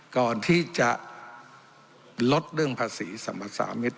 ก่อนที่จะลดเรื่องภาษีสรรพสามิตร